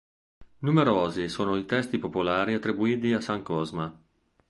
Numerosi sono i testi popolari attribuiti a San Cosma.